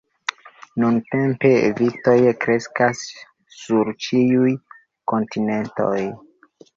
Nuntempe vitoj kreskas sur ĉiuj kontinentoj.